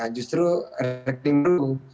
justru rekening dulu